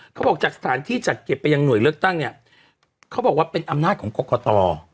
เขาบอกจากสถานที่จัดเก็บไปยังหน่วยเลือกตั้งเนี่ยเขาบอกว่าเป็นอำนาจของกรกต